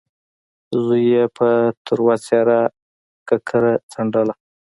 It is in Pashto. زوی يې په تروه څېره ککره څنډله.